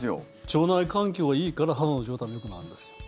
腸内環境がいいから肌の状態もよくなるんですよ。